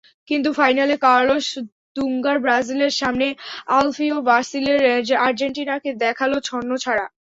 কিন্তু ফাইনালে কার্লোস দুঙ্গার ব্রাজিলের সামনে আলফিও বাসিলের আর্জেন্টিনাকে দেখাল ছন্নছাড়া।